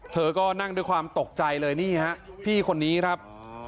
เธอก็นั่งด้วยความตกใจเลยนี่ฮะพี่คนนี้ครับ